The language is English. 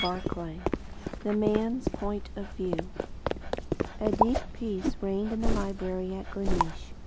CHAPTER XXIV THE MAN'S POINT OF VIEW A deep peace reigned in the library at Gleneesh.